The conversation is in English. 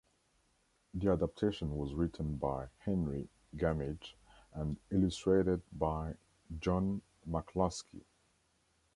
The adaptation was written by Henry Gammidge and illustrated by John McLusky.